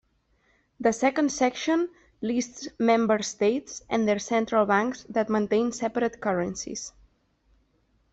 The second section lists member states and their central banks that maintain separate currencies.